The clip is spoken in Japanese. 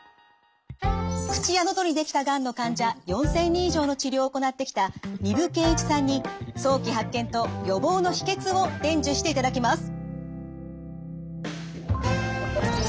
口や喉にできたがんの患者４，０００人以上の治療を行ってきた丹生健一さんに早期発見と予防の秘訣を伝授していただきます。